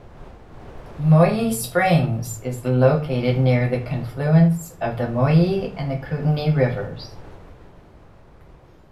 Moyie Springs is located near the confluence of the Moyie and Kootenai rivers.